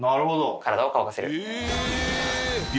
体を乾かせる。